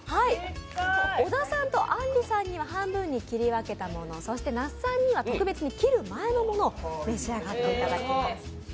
小田さんとあんりさんには半分に切り分けたもの、そして那須さんには特別に切る前のものを召し上がっていただきます。